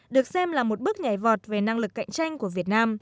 được xem là một bước nhảy vọt